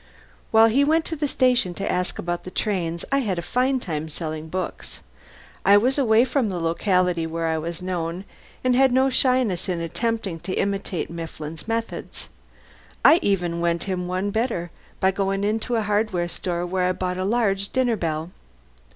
While he went to the station to ask about the trains I had a fine time selling books. I was away from the locality where I was known, and had no shyness in attempting to imitate Mifflin's methods. I even went him one better by going into a hardware store where I bought a large dinner bell.